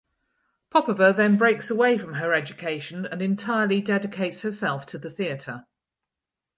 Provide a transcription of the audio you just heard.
Popova then breaks away from her education and entirely dedicates herself to the theater.